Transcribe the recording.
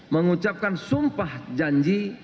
mengucapkan sumpah janji